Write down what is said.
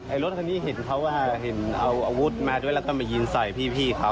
รถคันนี้เห็นเขาว่าเห็นเอาอาวุธมาด้วยแล้วก็มายิงใส่พี่เขา